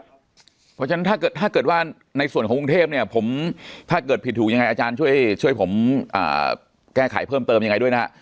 เพราะฉะนั้นถ้าเกิดว่าในส่วนของกรุงเทพเนี่ยผมถ้าเกิดผิดถูกยังไงอาจารย์ช่วยผมแก้ไขเพิ่มเติมยังไงด้วยนะฮะ